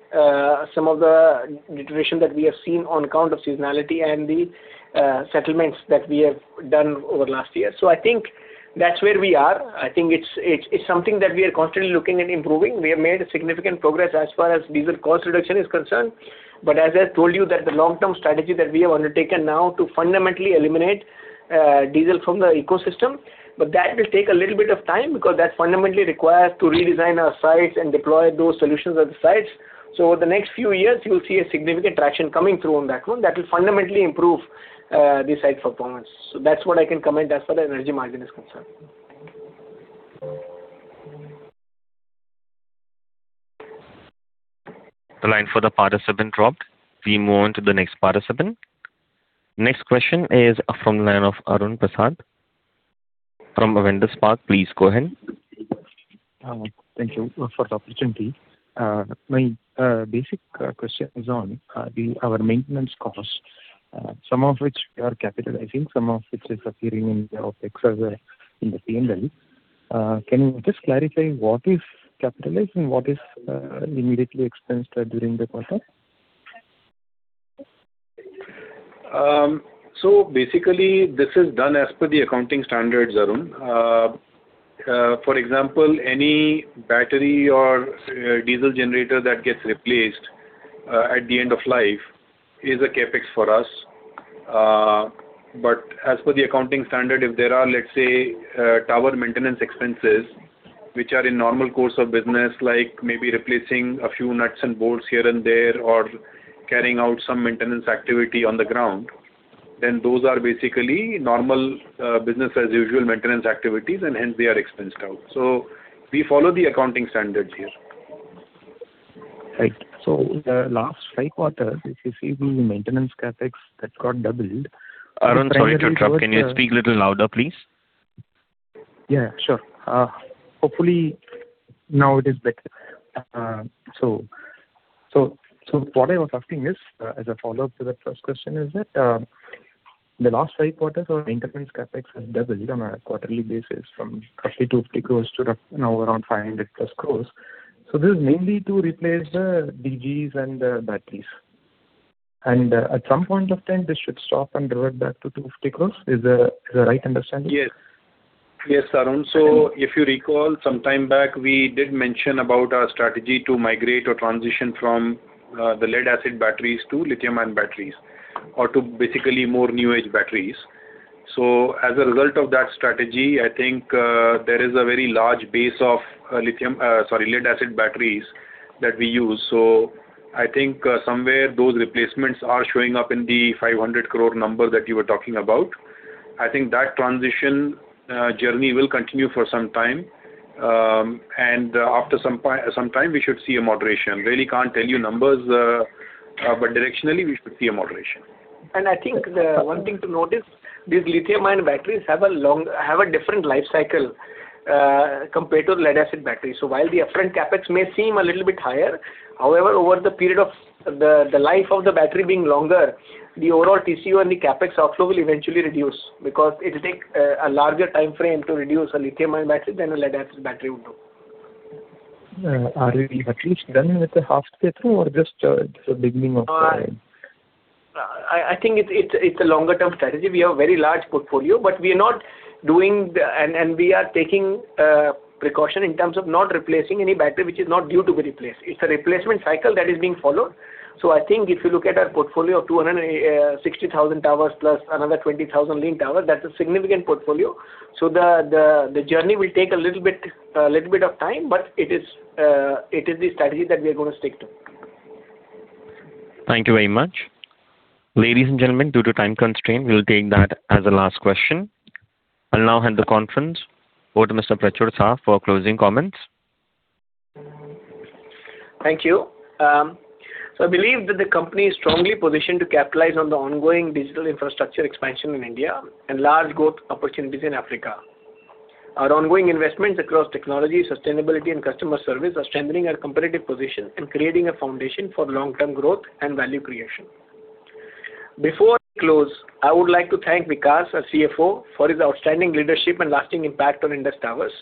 some of the deterioration that we have seen on account of seasonality and the settlements that we have done over last year. I think that's where we are. I think it's something that we are constantly looking at improving. We have made significant progress as far as diesel cost reduction is concerned. As I told you that the long-term strategy that we have undertaken now to fundamentally eliminate diesel from the ecosystem, that will take a little bit of time because that fundamentally requires to redesign our sites and deploy those solutions at the sites. Over the next few years, you'll see a significant traction coming through on that front that will fundamentally improve the site performance. That's what I can comment as far as energy margin is concerned. The line for the participant dropped. We move on to the next participant. Next question is from the line of Arun Prasath from Avendus Spark. Please go ahead. Thank you for the opportunity. My basic question is on our maintenance costs, some of which we are capitalizing, some of which is appearing in the OpEx as well in the P&L. Can you just clarifiscal year what is capitalized and what is immediately expensed during the quarter? Basically, this is done as per the accounting standards, Arun. For example, any battery or diesel generator that gets replaced at the end of life is a CapEx for us. As per the accounting standard, if there are, let's say, tower maintenance expenses, which are in normal course of business, like maybe replacing a few nuts and bolts here and there, or carrying out some maintenance activity on the ground, then those are basically normal business as usual maintenance activities, and hence they are expensed out. We follow the accounting standards here. Right. In the last five quarters, if you see the maintenance CapEx that got doubled. Arun, sorry to interrupt. Can you speak a little louder, please? Yeah, sure. Hopefully, now it is better. What I was asking is, as a follow-up to that first question, is that the last five quarters our maintenance CapEx has doubled on a quarterly basis from roughly 250 crore to now around 500+ crore. This is mainly to replace the DGs and the batteries. At some point of time, this should stop and revert back to 250 crore. Is that the right understanding? Yes, Arun. If you recall, some time back, we did mention about our strategy to migrate or transition from the lead-acid batteries to lithium-ion batteries or to basically more new-age batteries. As a result of that strategy, I think there is a very large base of lead-acid batteries that we use. I think somewhere those replacements are showing up in the 500 crore number that you were talking about. I think that transition journey will continue for some time, and after some time, we should see a moderation. Really can't tell you numbers, but directionally, we should see a moderation. I think the one thing to note is these lithium-ion batteries have a different life cycle compared to lead-acid batteries. While the upfront CapEx may seem a little bit higher, however, over the period of the life of the battery being longer, the overall TCO and the CapEx outflow will eventually reduce because it will take a larger timeframe to reduce a lithium-ion battery than a lead-acid battery would do. Are you at least done with the half playthrough or just the beginning of the I think it's a longer-term strategy. We have a very large portfolio, we are taking precaution in terms of not replacing any battery which is not due to be replaced. It's a replacement cycle that is being followed. I think if you look at our portfolio of 260,000 towers plus another 20,000 linked towers, that's a significant portfolio. The journey will take a little bit of time, but it is the strategy that we are going to stick to. Thank you very much. Ladies and gentlemen, due to time constraint, we'll take that as the last question. I'll now hand the conference over to Mr. Prachur Sah for closing comments. Thank you. I believe that the company is strongly positioned to capitalize on the ongoing digital infrastructure expansion in India and large growth opportunities in Africa. Our ongoing investments across technology, sustainability, and customer service are strengthening our competitive position and creating a foundation for long-term growth and value creation. Before I close, I would like to thank Vikas, our Chief Financial Officer, for his outstanding leadership and lasting impact on Indus Towers.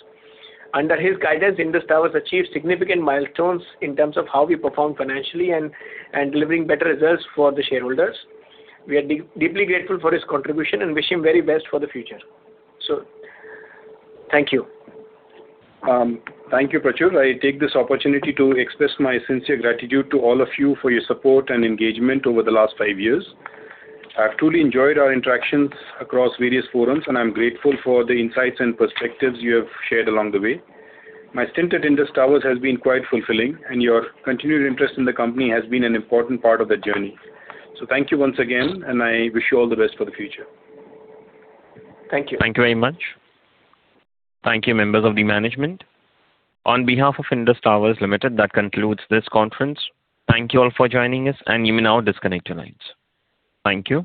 Under his guidance, Indus Towers achieved significant milestones in terms of how we perform financially and delivering better results for the shareholders. We are deeply grateful for his contribution and wish him very best for the future. Thank you. Thank you, Prachur. I take this opportunity to express my sincere gratitude to all of you for your support and engagement over the last five years. I've truly enjoyed our interactions across various forums, and I'm grateful for the insights and perspectives you have shared along the way. My stint at Indus Towers has been quite fulfilling, and your continued interest in the company has been an important part of the journey. Thank you once again, and I wish you all the best for the future. Thank you. Thank you very much. Thank you, members of the management. On behalf of Indus Towers Limited, that concludes this conference. Thank you all for joining us, and you may now disconnect your lines. Thank you.